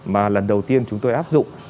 mà lần đầu tiên chúng tôi áp dụng